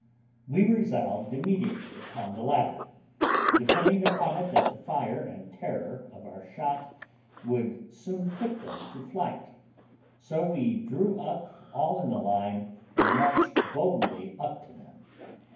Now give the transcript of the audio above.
We resolved immediately upon the latter, depending upon it that the fire and terror of our shot would soon put them to flight; so we drew up all in a line, and marched boldly up to them.